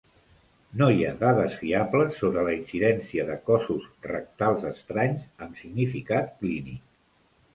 No hi ha dades fiables sobre la incidència de cossos rectals estranys amb significat clínic.